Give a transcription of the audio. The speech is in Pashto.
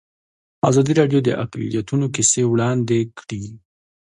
ازادي راډیو د اقلیتونه کیسې وړاندې کړي.